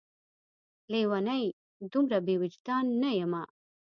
لېونۍ! دومره بې وجدان نه یمه